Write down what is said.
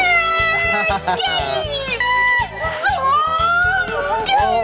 เย้ส่วง